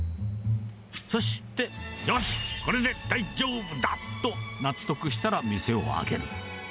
そして、よし、これで大丈夫だと納得したら店を開ける。